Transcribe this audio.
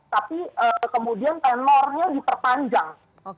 tapi kemudian tenornya diperpanjang